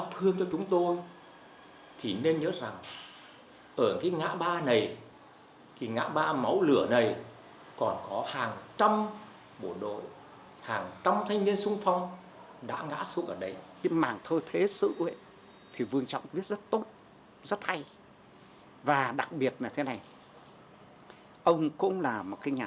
phút giây thôi hãy nghe tiếng con mình